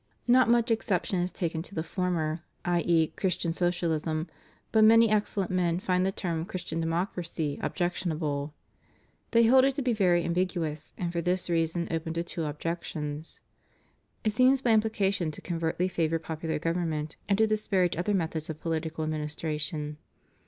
Not much ex ception is taken to the former, i.e., Christian Socialism, but many excellent men find the term Christian Democracy objectionable. They hold it to be very ambiguous and for this reason open to two objections. It seems by im plication to covertly favor popular government, and to disparage other methods of political administration.